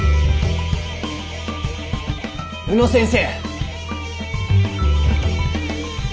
宇野先生！